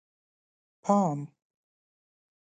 _پام!!!